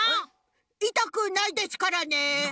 いたくないですからね。